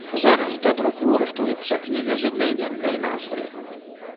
Зараз да друку рыхтуецца кніга з аднайменнай назвай.